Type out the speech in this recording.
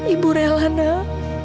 ibu rela nak